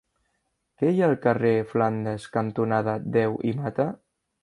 Què hi ha al carrer Flandes cantonada Deu i Mata?